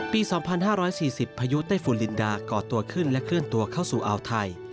ปี๒๕๔๐พายุไต้ฝุ่นลินดาก่อตัวขึ้นและเคลื่อนตัวเข้าสู่อ่าวไทย